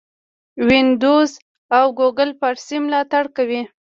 وینډوز او ګوګل فارسي ملاتړ کوي.